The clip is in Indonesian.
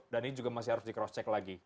dan ini juga masih harus di cross check lagi